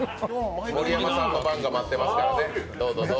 盛山さんの番が待ってますからね。